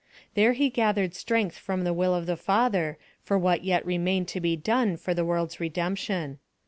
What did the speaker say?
There he gathered strength from the will of the Father for what yet remained to be done for the world's redemption.